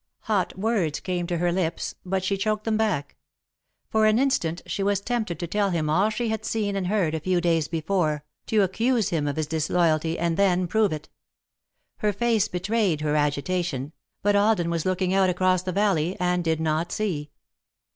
Hot words came to her lips but she choked them back. For an instant she was tempted to tell him all she had seen and heard a few days before, to accuse him of disloyalty, and then prove it. Her face betrayed her agitation, but Alden was looking out across the valley, and did not see.